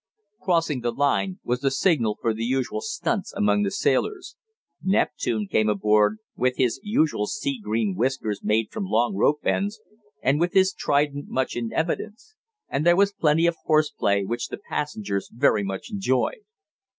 "Crossing the line," was the signal for the usual "stunts" among the sailors. "Neptune" came aboard, with his usual sea green whiskers made from long rope ends, and with his trident much in evidence; and there was plenty of horseplay which the passengers very much enjoyed.